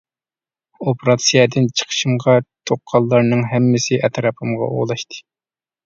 ئوپېراتسىيەدىن چىقىشىمغا تۇغقانلارنىڭ ھەممىسى ئەتراپىمغا ئولاشتى.